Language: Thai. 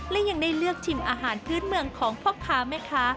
และยังได้เลือกชิมอาหารพื้นเมืองของพ่อค้าแม่ค้า